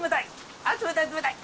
あ冷たい冷たい。